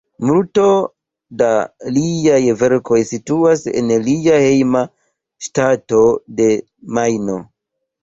Multo da liaj verkoj situas en lia hejma ŝtato de Majno.